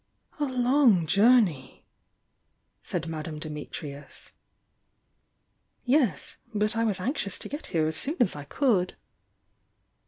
"A long journey!" said Madame Dimitrius. "Yes. But I was anxious to get here as soon as I could."